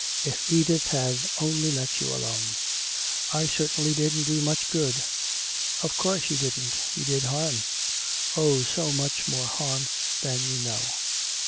"If Edith had only let you alone." "I certainly didn't do much good." "Of course you didn't you did harm oh, so much more harm than you know."